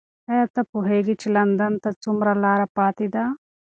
ایا ته پوهېږې چې لندن ته څومره لاره پاتې ده؟